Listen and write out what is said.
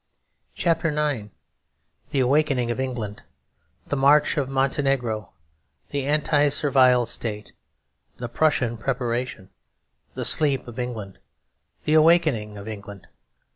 CHAPTER IX THE AWAKENING OF ENGLAND The March of Montenegro The Anti Servile State The Prussian Preparation The Sleep of England The Awakening of England.